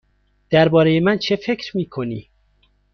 درباره من چه فکر می کنی؟